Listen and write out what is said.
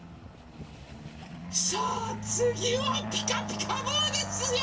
さあつぎは「ピカピカブ！」ですよ！